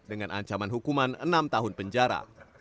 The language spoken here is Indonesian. dengan ancaman hukuman enam tahun penjara